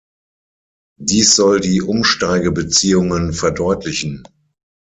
Dies soll die Umsteigebeziehungen verdeutlichen.